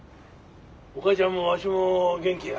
おかあちゃんもわしも元気や。